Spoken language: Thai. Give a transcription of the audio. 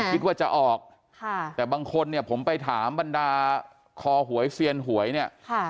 คิดว่าจะออกค่ะแต่บางคนเนี่ยผมไปถามบรรดาคอหวยเซียนหวยเนี่ย